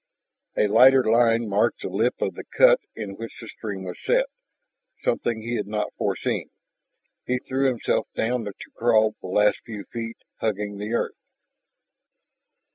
A lighter line marked the lip of the cut in which the stream was set, something he had not foreseen. He threw himself down to crawl the last few feet, hugging the earth.